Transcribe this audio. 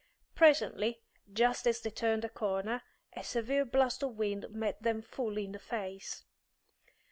Presently, just as they turned a corner, a severe blast of wind met them full in the face.